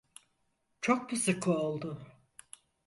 Çok mu sıkı oldu?